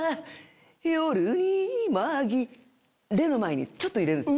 「レ」の前にちょっと入れるんです。